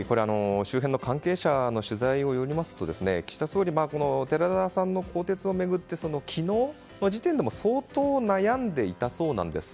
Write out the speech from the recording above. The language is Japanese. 周辺の関係者の取材によりますと岸田総理寺田さんの更迭を巡って昨日の時点でも相当、悩んでいたそうなんです。